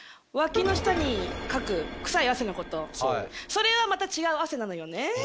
それはまた違う汗なのよね。